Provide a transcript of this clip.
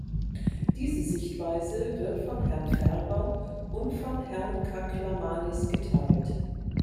Diese Sichtweise wird von Herrn Ferber und von Herrn Kaklamanis geteilt.